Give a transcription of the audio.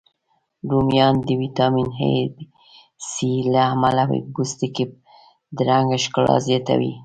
رومیان د ویټامین C، A، له امله د پوستکي د رنګ ښکلا زیاتوی